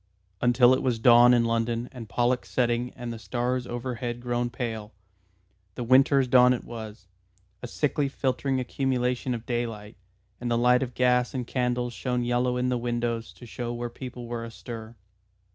Until it was dawn in London and Pollux setting and the stars overhead grown pale. The Winter's dawn it was, a sickly filtering accumulation of daylight, and the light of gas and candles shone yellow in the windows to show where people were astir.